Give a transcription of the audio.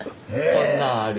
「こんなんある。